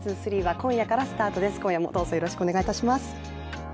今夜もどうぞよろしくお願いいたします。